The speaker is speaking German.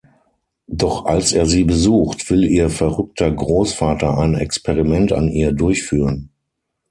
Doch als er sie besucht, will ihr verrückter Großvater ein Experiment an ihr durchführen.